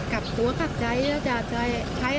กลับตัวกลับใจแล้วจะใช้